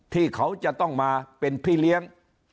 ที่เขาจะต้องมาเป็นพี่เลี้ยง